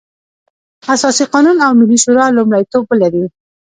اساسي قانون او ملي شورا لومړيتوب ولري.